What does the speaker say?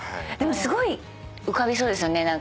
でもすごい浮かびそうですよね。